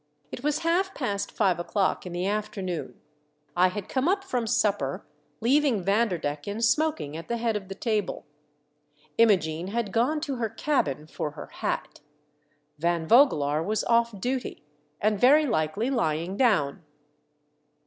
It was half past five o'clock in the after noon. I had come up from supper, leaving Vanderdecken smoking at the head of the table. Imogene had gone to her cabin for her hat. Van Vogelaar was off duty, and very likely lying down.